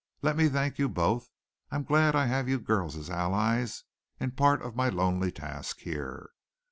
"Let me thank you both. I'm glad I have you girls as allies in part of my lonely task here.